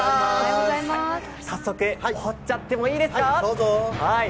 早速、掘っちゃってもいいですか？